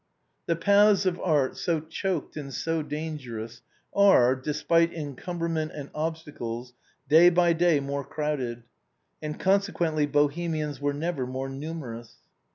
The paths of art, so choked and so dangerous, are, des pite encumberment and obstacles, day by day more crowded, tûid consequently Bohemians were never more numerous.